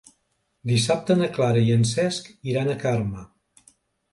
Dissabte na Clara i en Cesc iran a Carme.